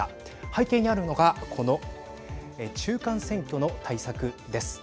背景にあるのがこの、中間選挙の対策です。